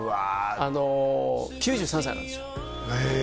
９３歳なんです。